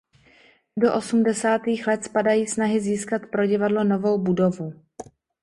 Do osmdesátých let spadají snahy získat pro divadlo novou budovu.